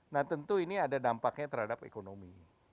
nah tentu ini ada dampaknya terhadap ekonomi